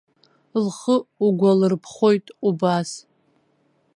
Лхы угәалырԥхоит убас.